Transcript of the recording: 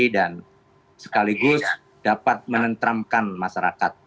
dan sekaligus dapat menentramkan masyarakat